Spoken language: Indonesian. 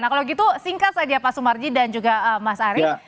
nah kalau gitu singkat saja pak sumarji dan juga mas arief